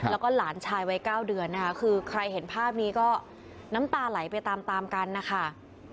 แล้วก็หลานชายวัย๙เดือนนะคะคือใครเห็นภาพนี้ก็น้ำตาไหลไปตามตามกันนะคะ